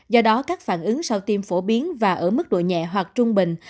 do đó các phản ứng sau tiêm phổ biến và ở mức độ nhẹ hoặc trung bình